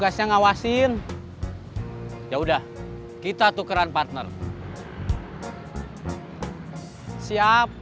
saya udah sampai